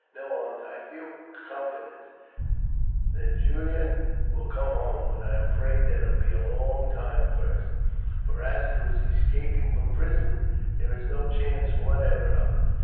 No, Aunt, I feel confident that Julian will come home, but I am afraid that it will be a long time first, for as to his escaping from prison, there is no chance whatever of it.